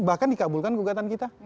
bahkan dikabulkan gugatan kita